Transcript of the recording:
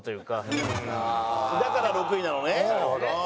だから６位なのね？はあ。